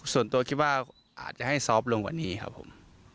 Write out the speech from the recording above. ส่วนตัวคิดว่าอาจจะให้ซอฟต์ลงกว่านี้ครับผม